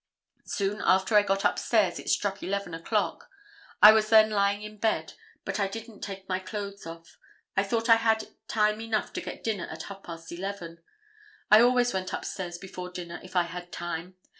Soon after I got upstairs it struck 11 o'clock. I was then lying in bed, but I didn't take my clothes off. I thought I had time enough to get dinner at half past 11. I always went upstairs before dinner if I had time.